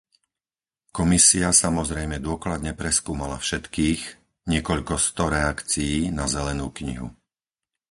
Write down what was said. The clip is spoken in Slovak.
Komisia samozrejme dôkladne preskúmala všetkých, niekoľko sto reakcií, na zelenú knihu.